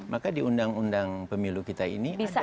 maka di undang undang pemilu kita ini